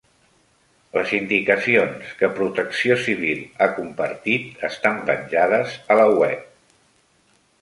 Les indicacions que Protecció Civil ha compartit estan penjades a la web.